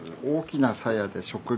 大きなさやで。